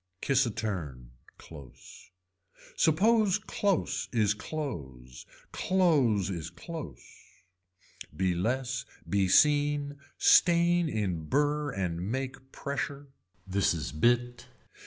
Kiss a turn, close. Suppose close is clothes, clothes is close. Be less be seen, stain in burr and make pressure. This is bit.